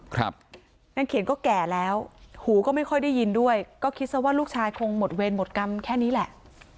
นางเขียนก็แก่แล้วหูก็ไม่ค่อยได้ยินด้วยก็คิดซะว่าลูกชายคงหมดเวรหมดกรรมแค่นี้แหละ